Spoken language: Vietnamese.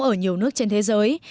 ở nhiều nước trên thế giới